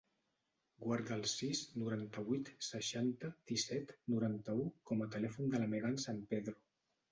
Guarda el sis, noranta-vuit, seixanta, disset, noranta-u com a telèfon de la Megan Sampedro.